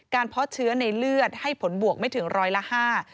เพาะเชื้อในเลือดให้ผลบวกไม่ถึงร้อยละห้า